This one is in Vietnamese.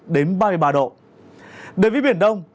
đến với biển đông